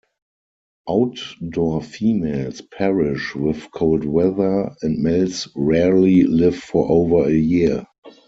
Outdoor females perish with cold weather and males rarely live for over a year.